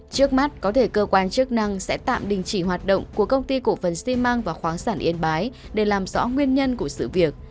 trước mắt có thể cơ quan chức năng sẽ tạm đình chỉ hoạt động của công ty cổ phần xi măng và khoáng sản yên bái để làm rõ nguyên nhân của sự việc